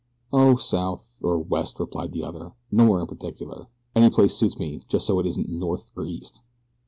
"Oh, south or west," replied the other. "Nowhere in particular any place suits me just so it isn't north or east."